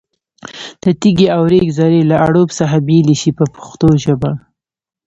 د تېږې او ریګ ذرې له اړوب څخه بېلې شي په پښتو ژبه.